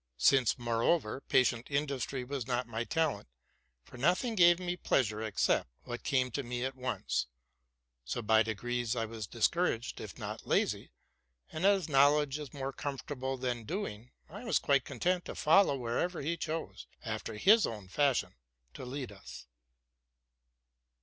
Since, moreover, patient industry was not my talent, for nothing gave me pleasure except what came to me at once, so by degrees I became discouraged, if not lazy; and, as knowledge is more comfortable than doing, I was quite con tent to follow wherever he chose, after his own fashion, to lead us.